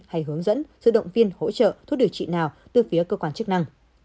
hay hướng dẫn sự động viên hỗ trợ thuốc điều trị nào từ phía cơ quan chức năng